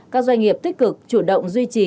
các doanh nghiệp tích cực chủ động duy trì